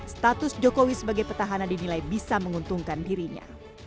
status jokowi sebagai petahana dinilai bisa menguntungkan dirinya